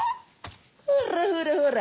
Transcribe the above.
ほらほらほら。